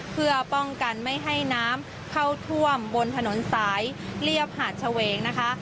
เพื่อป้องกันไม่ให้น้ำเข้าท่วมบนถนนสายเรียบหาดเฉวงนะคะ